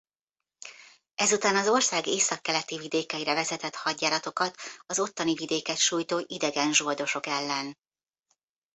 Ezután az ország északkeleti vidékeire vezetett hadjáratokat az ottani vidéket sújtó idegen zsoldosok ellen.